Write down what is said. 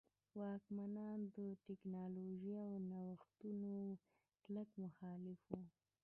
واکمنان د ټکنالوژۍ او نوښتونو کلک مخالف وو.